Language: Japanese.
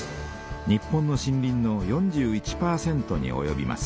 日本の森林の４１％におよびます。